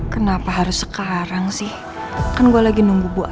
kenapa harus sekarang sih kan gue lagi nunggu